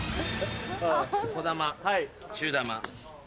小玉中玉。